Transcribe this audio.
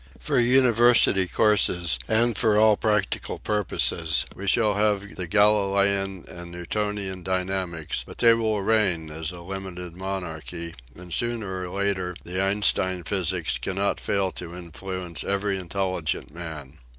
For uni versity courses and for all practical purposes we shall have the Galilean and Newtonian dynamics but they will reign as a limited monarchy and sooner or later the Einstein physics cannot fail to influence every in telligent man.